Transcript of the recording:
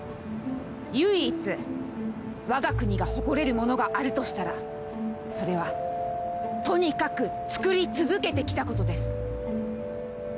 唯一わが国が誇れるものがあるとしたらそれはとにかく作り続けてきたことです。